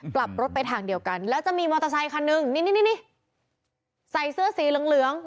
กลับรถไปทางเดียวกันแล้วจะมีมอเตอร์ไซคันนึงนี่นี่ใส่เสื้อสีเหลืองเหลือง